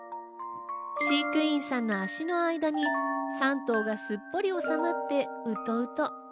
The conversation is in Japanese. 飼育員さんの足の間に３頭がすっぽり収まってウトウト。